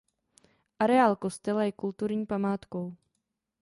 Areál kostela je kulturní památkou.